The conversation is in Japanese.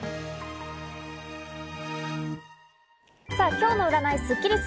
今日の占いスッキリす。